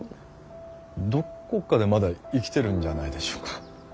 どこかでまだ生きてるんじゃないでしょうか。